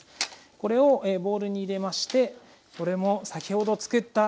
これをボウルに入れましてこれも先ほど作ったねぎ油。